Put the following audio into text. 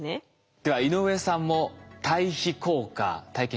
では井上さんも対比効果体験してみましょう。